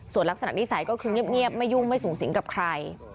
ส่วนลักษณะนิสัยก็คือเงียบไม่ยุ่งไม่สูงสิงกับใคร